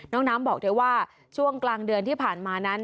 น้องน้ำบอกเธอว่าช่วงกลางเดือนที่ผ่านมานั้น